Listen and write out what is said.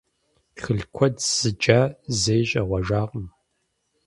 Тхылъ куэд зыджа зэи щӀегъуэжакъым.